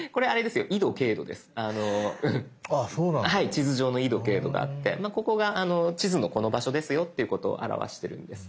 地図上の緯度・経度があってここが地図のこの場所ですよっていうことを表してるんです。